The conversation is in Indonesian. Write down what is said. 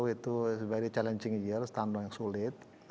dua ribu dua puluh itu very challenging year tahun yang sulit